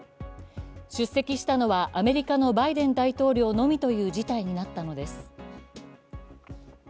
出席したのはアメリカのバイデン大統領のみという事態になったのです。